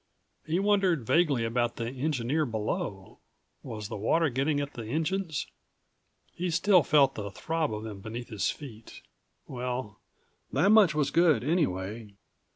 He wondered vaguely about the engineer below. Was the water getting at the engines? He still felt the throb of them beneath his feet. Well, that much was good anyway.